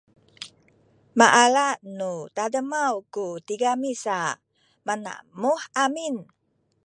maala nu tademaw ku tigami sa manamuh amin